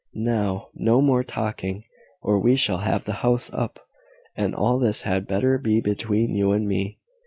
Now, no more talking, or we shall have the house up; and all this had better be between you and me."